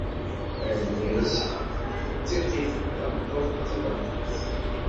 Argaz d tiqqit, tameṭṭut d tabaqit.